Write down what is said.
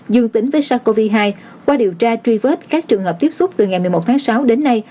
dương tính với sars cov hai qua điều tra truy vết các trường hợp tiếp xúc từ ngày một mươi một tháng sáu đến nay